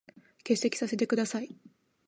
欠席させて下さい。